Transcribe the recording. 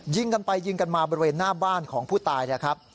ยิงกันไปยิงกันมาบริเวณหน้าบ้านของผู้ตายนะครับ